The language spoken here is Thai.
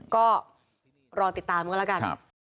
ก็รอติดตามกันแล้วกัน